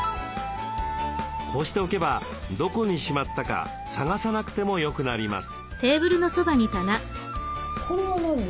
こうしておけばどこにしまったか探さなくてもよくなります。